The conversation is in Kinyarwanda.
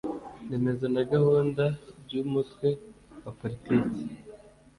remezo na gahunda by umutwe wa politiki